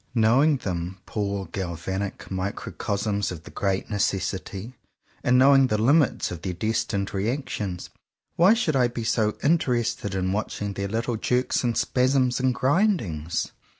Knowing them — poor galvanic micro cosms of the great Necessity — and knowing the limits of their destined reactions, why should I be so interested in watching their little jerks and spasms and grindings.?